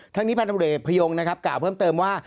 ทั้งนี้พันธบริเอกพยงนะครับกล่าวเพิ่มเติมว่า